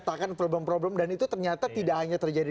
di indonesia dan itu terjadi